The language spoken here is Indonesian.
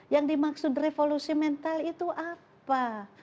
yang dimaksud revolusi mental itu apa